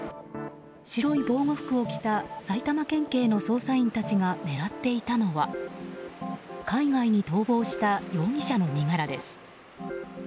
白い防護服を着た埼玉県警の捜査員たちが狙っていたのは、海外に逃亡した容疑者の身柄です。